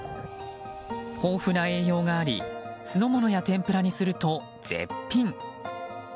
豊富な栄養があり酢の物や天ぷらにすると絶品。